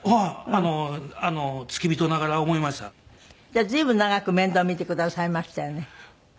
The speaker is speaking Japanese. じゃあ随分長く面倒見てくださいましたよね。